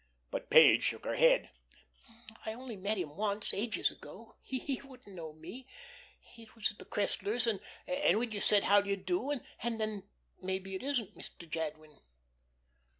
But Page shook her head: "I only met him once, ages ago; he wouldn't know me. It was at the Cresslers, and we just said 'How do you do.' And then maybe it isn't Mr. Jadwin."